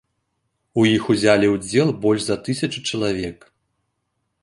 У іх узялі ўдзел больш за тысячу чалавек.